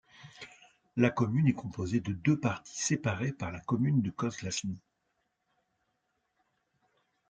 La commune est composée de deux parties séparées par la commune de Kozlany.